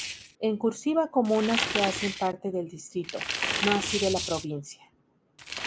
En cursiva comunas que hacen parte del distrito, no así de la provincia.